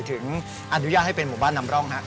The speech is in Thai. อนุญาตให้เป็นหมู่บ้านนำร่องฮะ